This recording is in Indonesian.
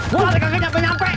gua ada kagak nyampe nyampe